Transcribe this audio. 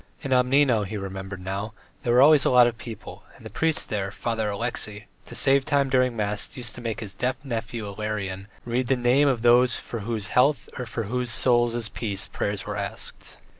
In Obnino, he remembered now, there were always a lot of people, and the priest there, Father Alexey, to save time during mass, used to make his deaf nephew Ilarion read the names of those for whose health or whose souls' peace prayers were asked.